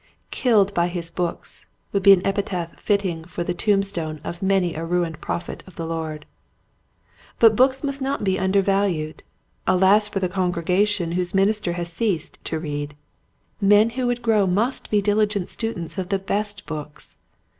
" Killed by his books " would be an epitaph fitting for the tomb stone of many a ruined prophet of the Lord. But books must not be undervalued. Alas for the congregation whose minister has ceased to read. Men who would grow must be diligent students of the best books.